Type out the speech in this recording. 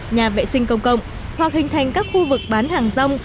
nhà vệ sinh công cộng hoặc hình thành các khu vực bán hàng rong